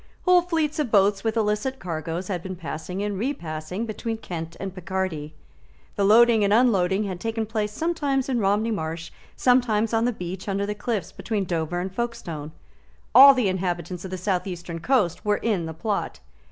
Whole fleets of boats with illicit cargoes had been passing and repassing between Kent and Picardy. The loading and unloading had taken place sometimes in Romney Marsh, sometimes on the beach under the cliffs between Dover and Folkstone. All the inhabitants of the south eastern coast were in the plot.